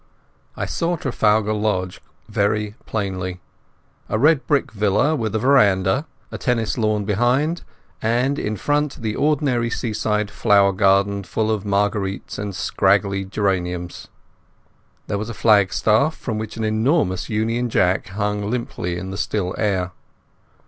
I saw Trafalgar Lodge very plainly, a red brick villa with a veranda, a tennis lawn behind, and in front the ordinary seaside flower garden full of marguerites and scraggy geraniums. There was a flagstaff from which an enormous Union Jack hung limply in the still air.